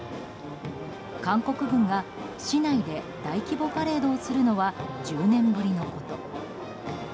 韓国軍が市内で大規模パレードをするのは１０年ぶりのこと。